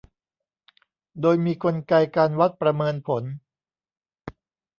โดยมีกลไกการวัดประเมินผล